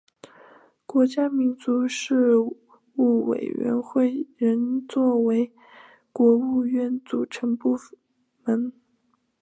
国家民族事务委员会仍作为国务院组成部门。